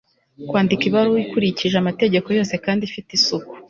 kwandika ibaruwa ikurikije amategeko yose kandi ifite isuku